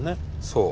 そう。